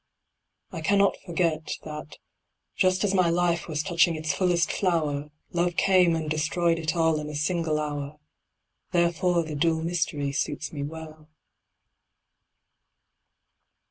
I cannot forget That, just as my life was touching its fullest flower, Love came and destroyed it all in a single hour, Therefore the dual Mystery suits me well.